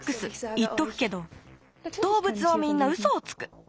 いっとくけどどうぶつはみんなウソをつく。